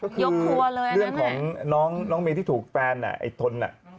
ก็คือเรื่องของน้องมีที่ถูกแฟนไอ้ทน